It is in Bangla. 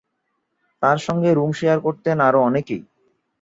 তাঁর সঙ্গে রুম শেয়ার করতেন আরও অনেকেই।